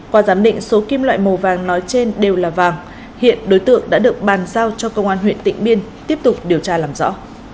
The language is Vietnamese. qua giám định số kim loại màu vàng nói trên đều là vàng hiện đối tượng đã được bàn giao cho công an huyện tịnh biên tiếp tục điều tra làm rõ